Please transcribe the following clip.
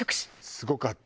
すごかった。